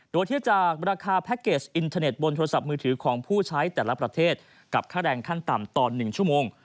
โดยเทียบจากราคาแพ็คเกจอินเทอร์เน็ตบนโทรศัพท์มือถือของผู้ใช้แต่ละประเทศกับค่าแรงขั้นต่ำตอน๑ชั่วโมง